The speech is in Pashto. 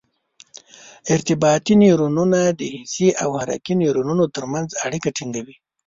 ارتباطي نیورونونه د حسي او حرکي نیورونونو تر منځ اړیکه ټینګوي.